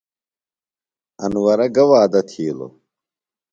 انورہ گہ وعدہ تِھیلوۡ؟